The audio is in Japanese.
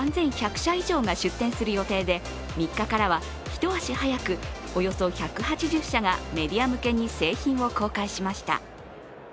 社以上が出展する予定で３日からは、一足早くおよそ１８０社がメディア向けに製品を公開しました。